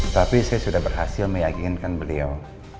tapi saya sudah berhasil meyakinkan beliau